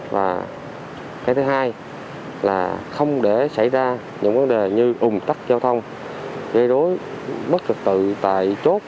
và cái thứ hai là không để xảy ra những vấn đề như ủng tắc giao thông gây đối mất thực tự tại chốt